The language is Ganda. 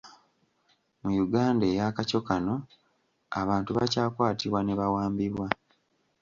Mu Uganda eya kaco kano, abantu bakyakwatibwa ne bawambibwa.